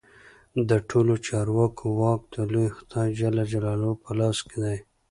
د ټولو چارو واک د لوی خدای جل جلاله په لاس کې دی.